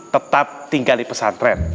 tetap tinggal di pesantren